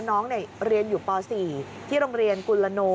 น้องเรียนอยู่ป๔ที่โรงเรียนกุลโน